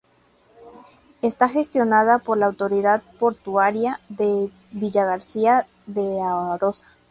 Está gestionada por la autoridad portuaria de Villagarcía de Arosa.